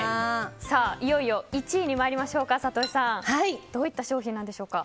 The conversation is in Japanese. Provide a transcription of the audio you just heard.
いよいよ、１位に参りましょうか里井さんどういった商品なんでしょうか？